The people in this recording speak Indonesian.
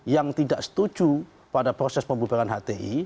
yang tidak setuju pada proses pembubaran hti